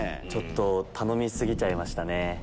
ちょっと頼み過ぎちゃいましたね。